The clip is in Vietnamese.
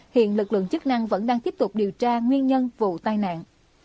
hiện lực lượng chức năng vẫn đang tiếp tục điều tra nguyên nhân vụ tai nạn